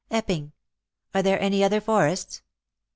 " Epping. Are there any other forests